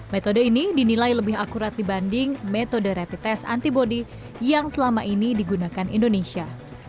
metode ini dinilai lebih akurat dibanding metode rapid test antibody yang selama ini digunakan indonesia